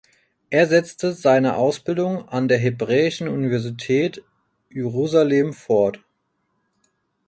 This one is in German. Er setzte seine Ausbildung an der Hebräischen Universität Jerusalem fort.